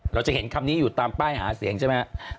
เราจะเห็นคำนี้อยู่ตามป้ายหาเสียงใช่ไหมครับ